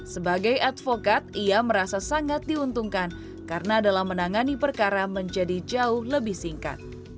sebagai advokat ia merasa sangat diuntungkan karena dalam menangani perkara menjadi jauh lebih singkat